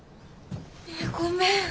ごめん！